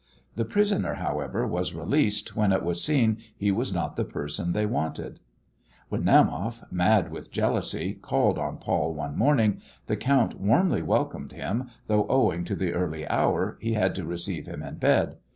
The prisoner, however, was released when it was seen he was not the person they wanted. When Naumoff, mad with jealousy, called on Paul one morning, the count warmly welcomed him, though owing to the early hour he had to receive him in bed.